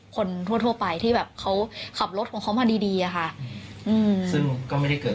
คนทั่วทั่วไปที่แบบเขาขับรถของเขามาดีดีอะค่ะอืมซึ่งก็ไม่ได้เกิด